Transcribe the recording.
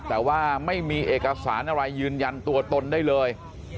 แต่ว่าไม่มีเอกสารอะไรยืนยันตัวตนได้เลย